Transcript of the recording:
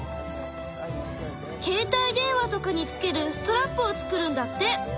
けいたい電話とかにつけるストラップを作るんだって。